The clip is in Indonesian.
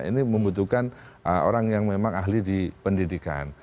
ini membutuhkan orang yang memang ahli di pendidikan